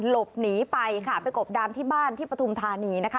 หลบหนีไปค่ะไปกบดานที่บ้านที่ปฐุมธานีนะคะ